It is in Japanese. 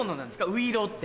ういろうって。